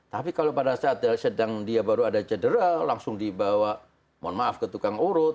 tapi kalau pada saat sedang dia baru ada cedera langsung dibawa mohon maaf ke tukang urut